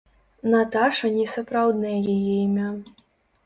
Наташа не сапраўднае яе імя.